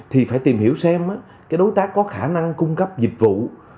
thì phải tìm hiểu xem cái đối tác có khả năng cung cấp dịch vụ